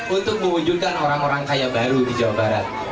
untuk mewujudkan orang orang kaya baru di jawa barat